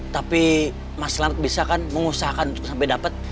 tapi mas lard bisa kan mengusahakan untuk sampai dapat